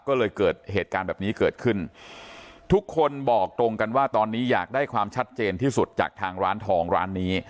ก็เลยเกิดเหตุการณ์แบบนี้เกิดขึ้นทุกคนบอกตรงกันว่าตอนนี้อยากได้ความชัดเจนที่สุดจากทางร้านทองร้านนี้